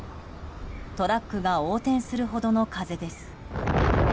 トラックが横転するほどの風です。